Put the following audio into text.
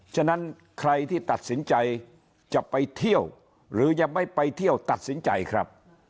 ฉะนั้นใครที่ตัดสินใจจะไปเที่ยวหรือจะไม่ไปเที่ยวตัดสินใจครับ